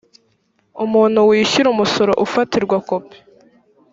umuntu wishyura umusoro ufatirwa kopi